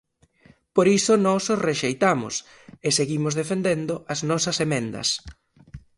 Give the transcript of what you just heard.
Por iso nós os rexeitamos, e seguimos defendendo as nosas emendas.